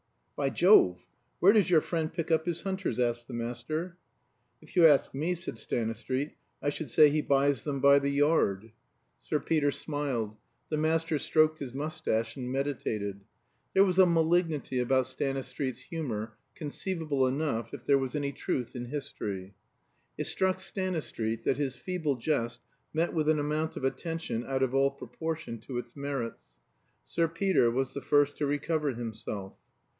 "By Jove! where does your friend pick up his hunters?" asked the Master. "If you ask me," said Stanistreet, "I should say he buys them by the yard." Sir Peter smiled. The Master stroked his mustache and meditated. There was a malignity about Stanistreet's humor conceivable enough if there was any truth in history. It struck Stanistreet that his feeble jest met with an amount of attention out of all proportion to its merits. Sir Peter was the first to recover himself.